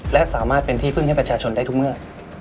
และสามารถเป็นที่พึ่งให้ประชาชนได้ทุกเมื่อ